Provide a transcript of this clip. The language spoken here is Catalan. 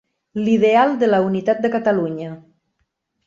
L'ideal de la unitat de Catalunya.